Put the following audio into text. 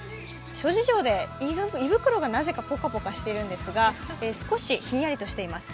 諸事情で胃袋がなぜかぽかぽかしているんですが、少しひんやりとしています。